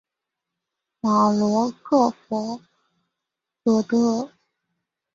马罗克弗尔德。